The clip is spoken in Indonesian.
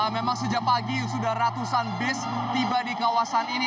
memang sejak pagi sudah ratusan bis tiba di kawasan ini